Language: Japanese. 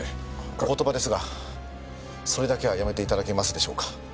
お言葉ですがそれだけはやめて頂けますでしょうか。